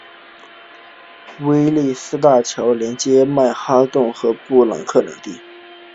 威利斯大道桥连接曼哈顿和布朗克斯两地。